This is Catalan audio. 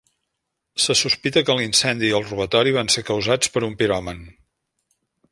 Se sospita que l'incendi i el robatori van ser causats per un piròman.